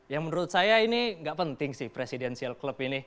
ya menurut saya ini nggak penting sih presidensial club ini